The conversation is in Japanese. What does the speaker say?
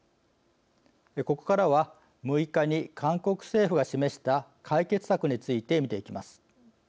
ここからは６日に韓国政府が示した解決策について見ていきます。